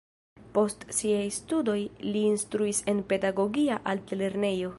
Post siaj studoj li instruis en pedagogia altlernejo.